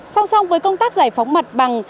song song với công tác giải phóng mặt bằng